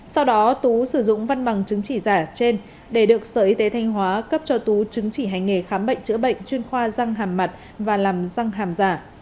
sau đó tú sử dụng văn bằng chứng chỉ giả trên để được sở y tế thanh hóa cấp cho tú chứng chỉ hành nghề khám bệnh chữa bệnh chuyên khoa răng hàm mặt và làm răng hàm giả